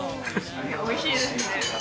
おいしいですね。